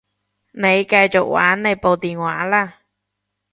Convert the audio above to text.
你繼續玩你部電話啦